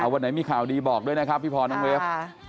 วันไหนมีข่าวดีบอกด้วยนะครับพี่พรน้องเวฟ